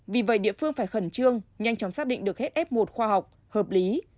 vì vậy địa phương phải khẩn trương nhanh chóng xác định được hết f một khoa học hợp lý